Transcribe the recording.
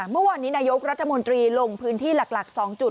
เมื่อวานนี้นายกรัฐมนตรีลงพื้นที่หลัก๒จุด